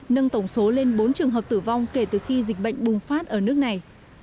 nâng tổng số lên bốn trường hợp tử vong kể từ khi dịch bệnh bùng phát ở nước này